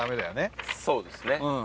そうですね。